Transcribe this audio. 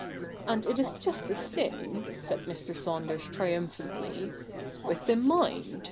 And it is just the same,' said Mr. Saunders triumphantly, 'with the mind.